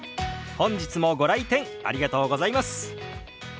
本日もご来店ありがとうございます。